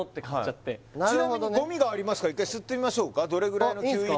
ちなみにゴミがありますから１回吸ってみましょうかあっいいんすか？